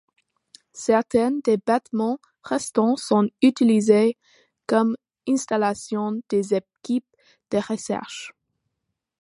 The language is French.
Certains des bâtiments restants sont utilisés comme installations des équipes de recherche.